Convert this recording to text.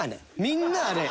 みんなあれ。